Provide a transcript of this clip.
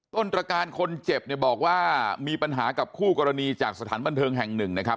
ตรการคนเจ็บเนี่ยบอกว่ามีปัญหากับคู่กรณีจากสถานบันเทิงแห่งหนึ่งนะครับ